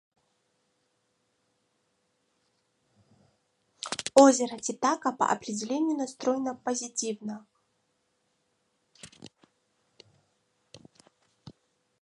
Озеро Титикака, по определению, настроено позитивно.